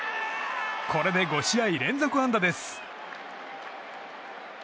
これで５試合連続安打です。